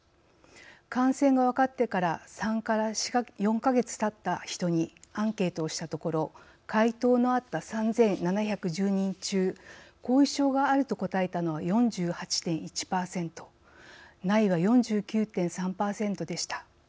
感染が分かってから３から４か月たった人にアンケートをしたところ回答のあった３７１０人中「後遺症がある」と答えたのは４８．１％「ない」は４９．３％でした。